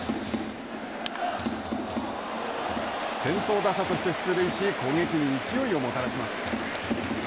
先頭打者として出塁し攻撃に勢いをもたらします。